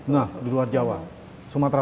nah di luar jawa sumatera